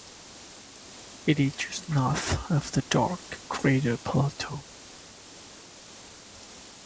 It is just north of the dark crater Plato.